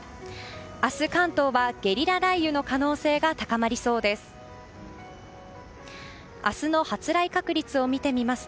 明日、関東はゲリラ雷雨の可能性が高まりそうです。